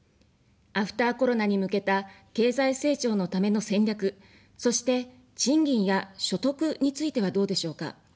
アフターコロナに向けた経済成長のための戦略、そして、賃金や所得についてはどうでしょうか。